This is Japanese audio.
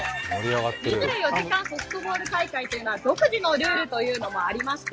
２４時間ソフトボール大会というのは独自のルールというのもありまして